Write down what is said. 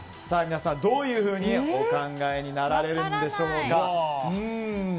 さあ、皆さんどういうふうにお考えになられるんでしょうか。